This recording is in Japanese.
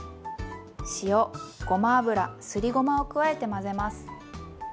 塩ごま油すりごまを加えて混ぜます。